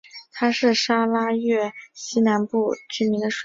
它是沙拉越西南部居民的水源。